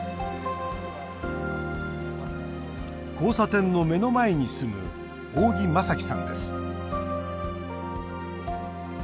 交差点の目の前に住む大木真樹さんです。